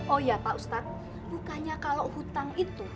oh ya pak ustadz bukannya kalau hutang itu